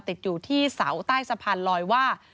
ติดอยู่ที่เสาใต้สะพานลอยว่า